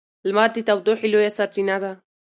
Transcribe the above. لمر د تودوخې لویه سرچینه ده.